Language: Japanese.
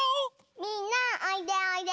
みんなおいでおいで！